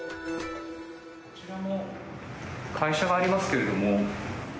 こちらも会社がありますけれども。